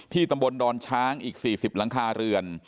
ตำบลดอนช้างอีก๔๐หลังคาเรือน